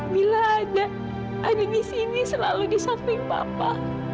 bila ada di sini selalu di samping papa